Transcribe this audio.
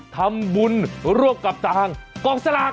ทำบุญร่วมกับทางกองสลาก